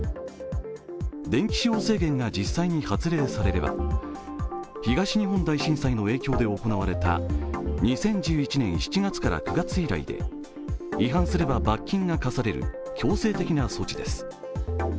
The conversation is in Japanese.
電気使用制限が実際に発令されれば東日本大震災の影響で行われた２０１７年７月から９月以来で違反すれば罰金が科される強制的な措置です。